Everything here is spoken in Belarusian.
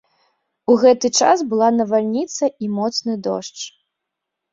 У гэты час была навальніца і моцны дождж.